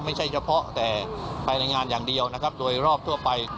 ไม่ใช่เฉพาะแต่ภายในงานอย่างเดียวนะครับโดยรอบทั่วไป